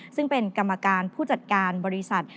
ซึ่งเป็นกรรมการผู้จัดการบริษัท